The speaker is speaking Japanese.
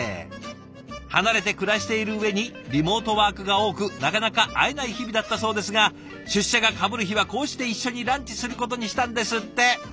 離れて暮らしている上にリモートワークが多くなかなか会えない日々だったそうですが出社がかぶる日はこうして一緒にランチすることにしたんですって。